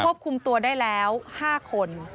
ควบคุมตัวได้แล้ว๕คน